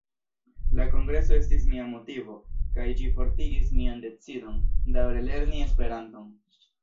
La kongreso estis mia motivo, kaj ĝi fortigis mian decidon daǔre lerni Esperanton.